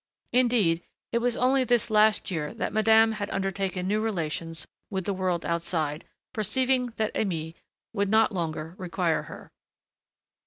Indeed, it was only this last year that madame had undertaken new relations with the world outside, perceiving that Aimée would not longer require her.